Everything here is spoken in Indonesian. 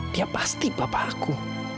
dia pasti bapakku